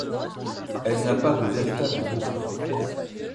Elle n'a pas de véritable bourg.